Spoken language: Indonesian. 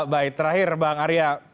baik terakhir bang arya